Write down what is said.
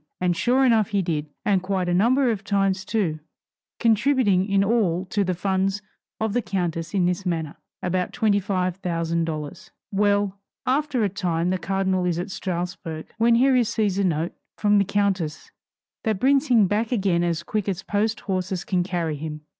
And sure enough he did, and quite a number of times too; contributing in all to the funds of the countess in this manner, about $25,000. Well: after a time the cardinal is at Strasburg, when he receives a note from the countess that brings him back again as quick as post horses can carry him.